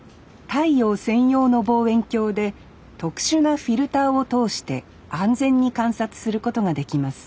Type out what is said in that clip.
太陽専用の望遠鏡で特殊なフィルターを通して安全に観察することができます